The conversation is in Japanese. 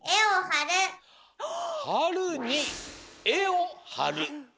「はるにえをはる」。